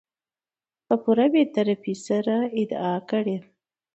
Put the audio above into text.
په پوره بې طرفي سره ادا کړي .